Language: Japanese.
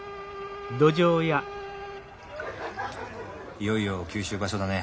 いよいよ九州場所だね。